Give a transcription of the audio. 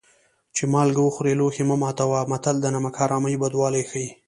چې مالګه وخورې لوښی مه ماتوه متل د نمک حرامۍ بدوالی ښيي